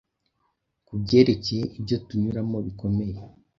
Ku byerekeye ibyo tunyuramo bikomeye,